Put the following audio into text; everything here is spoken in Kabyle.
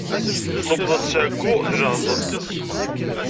Newweḍ-d s ɛeyyu d laẓ.